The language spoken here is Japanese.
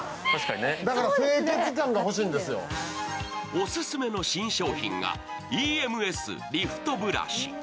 オススメの新商品がＥＭＳリフトブラシ。